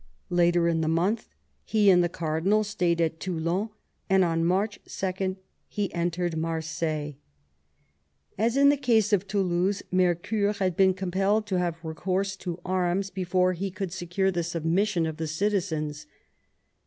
Later in the month he and the cardinal stayed at Toulon, and on March 2 he enered Marseilles. As in the case of Toulouse, Mercoeur had been compelled to have recourse to arms before he could secure the submission of the citizens.